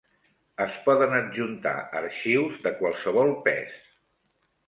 Es poden adjuntar arxius de qualsevol pes.